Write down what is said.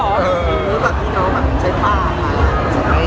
น้องเหมือนแบบที่ใช้ผ้าเอออืม